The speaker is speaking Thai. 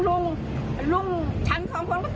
ลุงฉันของผมก็ตกใจจะมันเดะปืนอาหาร